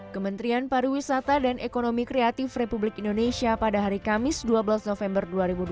kementerian pariwisata dan ekonomi kreatif republik indonesia pada hari kamis dua belas november dua ribu dua puluh